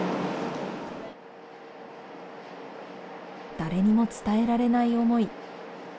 誰にも伝えられない思い。